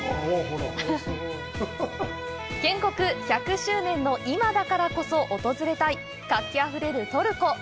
建国１００周年の今だからこそ訪れたい、活気あふれるトルコ。